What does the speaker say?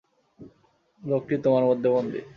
লোকটি তোমার মধ্যে বন্দি।